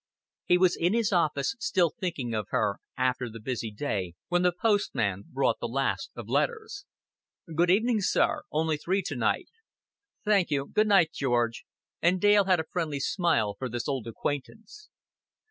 He was in his office still thinking of her, after the busy day, when the postman brought the last delivery of letters. "Good evening, sir. Only three to night." "Thank you. Good night, George," and Dale had a friendly smile for this old acquaintance.